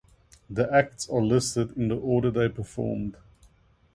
The acts are listed in the order they performed.